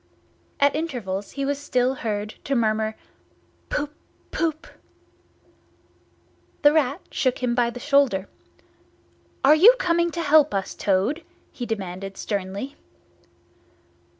At intervals he was still heard to murmur "Poop poop!" The Rat shook him by the shoulder. "Are you coming to help us, Toad?" he demanded sternly.